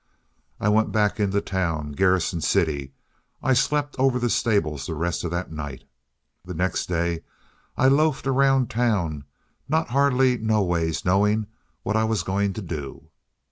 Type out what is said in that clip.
"I went back into town Garrison City. I slept over the stables the rest of that night. The next day I loafed around town not hardly noways knowing what I was going to do.